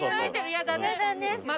嫌だね。